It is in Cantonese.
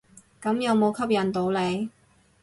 咁有無吸引到你？